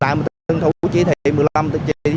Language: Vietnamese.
tại mình tự tân thủ chỉ thị một mươi năm tự chỉ thị một mươi sáu